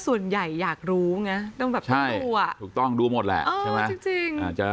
ส่วนใหญ่อยากรู้แล้วมันแบบใช่ต้องดูหมดแหละมันจะ